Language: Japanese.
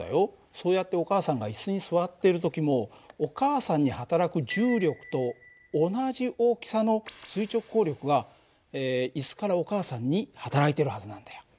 そうやってお母さんが椅子に座っている時もお母さんにはたらく重力と同じ大きさの垂直抗力が椅子からお母さんにはたらいてるはずなんだよ。